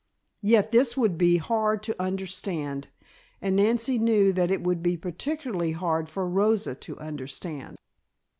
Yet, this would be hard to understand, and Nancy knew that it would be particularly hard for Rosa to understand.